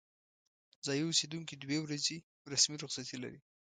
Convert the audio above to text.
ځايي اوسیدونکي دوې ورځې رسمي رخصتي لري.